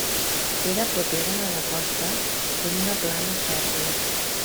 Era propera a la costa en una plana fèrtil.